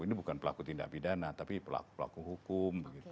ini bukan pelaku tindak pidana tapi pelaku pelaku hukum